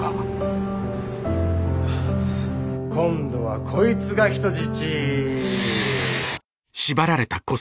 今度はこいつが人質。